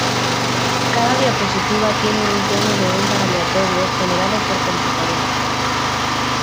Cada diapositiva tiene un tono de onda aleatorio generado por computadora.